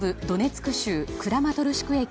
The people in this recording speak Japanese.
ドネツク州クラマトルシク